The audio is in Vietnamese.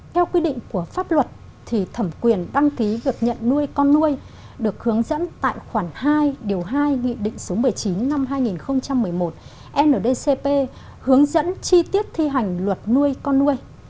theo quy định của pháp luật thì thẩm quyền đăng ký việc nhận nuôi con nuôi được hướng dẫn tại khoản hai điều hai nghị định số một mươi chín năm hai nghìn một mươi một ndcp hướng dẫn chi tiết thi hành luật nuôi con nuôi